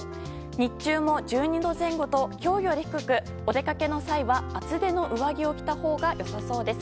日中も１２度前後と今日より低くお出かけの際は厚手の上着を着て出かけたほうが良さそうです。